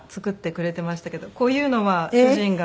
こういうのは主人が。